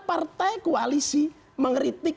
partai koalisi mengkritik